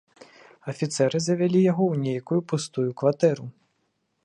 Афіцэры завялі яго ў нейкую пустую кватэру.